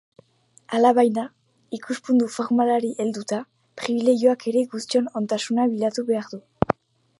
Alabaina, ikuspuntu formalari helduta, pribilegioak ere guztion ontasuna bilatu behar du.